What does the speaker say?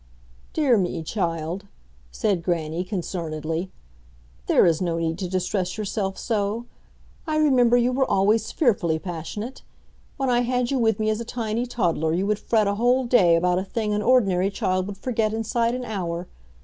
"Dear me, child," said grannie, concernedly, "there is no need to distress yourself so. I remember you were always fearfully passionate. When I had you with me as a tiny toddler, you would fret a whole day about a thing an ordinary child would forget inside an hour.